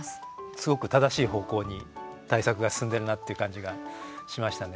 すごく正しい方向に対策が進んでるなっていう感じがしましたね。